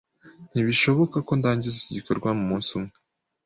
Ntibishoboka ko ndangiza iki gikorwa mumunsi umwe.